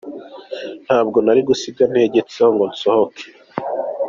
Ntabwo nari gusiga ntegetseho ngo nsohoke.